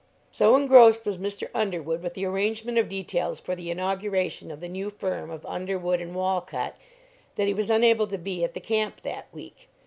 So engrossed was Mr. Underwood with the arrangement of details for the inauguration of the new firm of Underwood & Walcott that he was unable to be at the camp that week.